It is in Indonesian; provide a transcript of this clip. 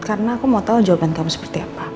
karena aku mau tahu jawaban kamu seperti apa